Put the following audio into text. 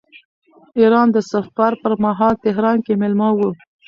ایران ته د سفر پرمهال تهران کې مېلمه و.